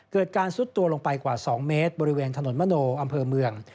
เกิดการซุดตัวลงไปกว่า๒เมตรบริเวณถนนมโนอำเภอเมือง